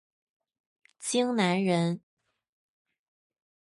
荆南人。